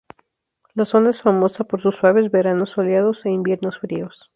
La zona es famosa por sus suaves veranos soleados e inviernos fríos.